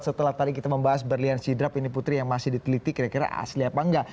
setelah tadi kita membahas berlian sidrap ini putri yang masih diteliti kira kira asli apa enggak